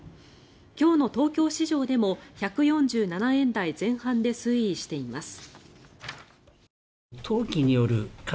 今日の東京市場でも１４７円台前半で推移しています。